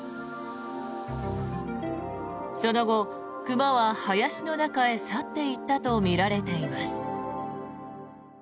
その後、熊は林の中へ去っていったとみられています。